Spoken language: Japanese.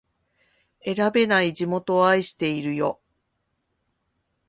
選べない地元を愛してるよ